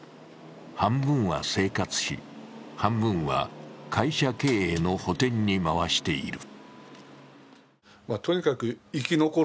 半分は生活費、半分は会社経営の補填に回している。